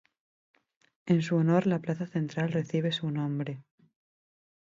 En su honor, la plaza central recibe su nombre.